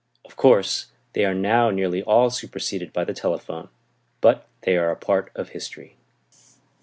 Of course they are now nearly all superseded by the telephone, but they are a part of history.